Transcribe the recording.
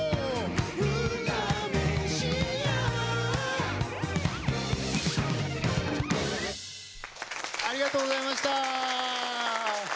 うらめしやありがとうございました。